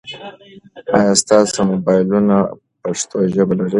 آیا ستاسو موبایلونه پښتو ژبه لري؟